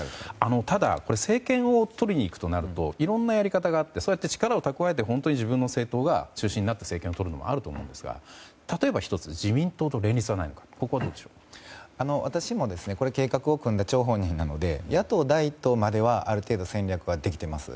ただ、政権を取りにいくとなるといろんなやり方があってそうやって力を蓄えて自分の政党が中心になって政権をとるのもあるんですが例えば、自民党と連立はないのか私も、この計画を組んだ張本人なので、野党第１党まではある程度戦略はできています。